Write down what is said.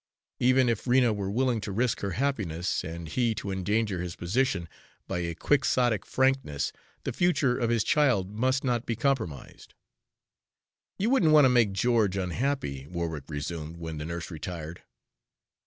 Even if Rena were willing to risk her happiness, and he to endanger his position, by a quixotic frankness, the future of his child must not be compromised. "You wouldn't want to make George unhappy," Warwick resumed when the nurse retired.